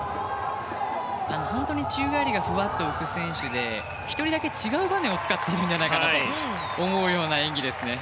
本当に宙返りがふわっと浮く選手で１人だけ違うばねを使っているんじゃないかと思うような演技です。